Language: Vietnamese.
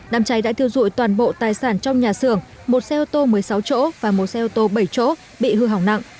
đám cháy đã thiêu dụi toàn bộ tài sản trong nhà xưởng một xe ô tô một mươi sáu chỗ và một xe ô tô bảy chỗ bị hư hỏng nặng